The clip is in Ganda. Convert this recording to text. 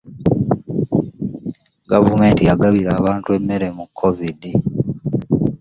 Gavumenti yagabira abantu emmere mu covid.